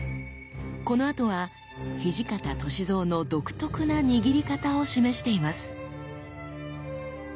この跡は土方歳三の独特な握り方を示しています。